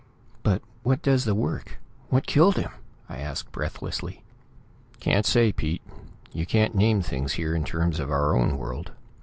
"But what does the work; what killed him?" I asked breathlessly. "Can't say, Pete. You can't name things here in terms of our own world.